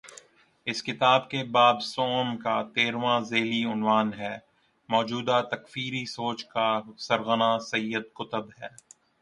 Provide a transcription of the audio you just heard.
اس کتاب کے باب سوم کا تیرھواں ذیلی عنوان ہے: موجودہ تکفیری سوچ کا سرغنہ سید قطب ہے۔